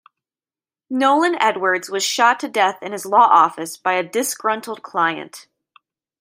Nolan Edwards was shot to death in his law office by a disgruntled client.